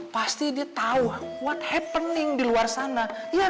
pasti dia tahu what happening di luar sana